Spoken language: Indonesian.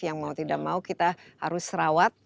yang mau tidak mau kita harus rawat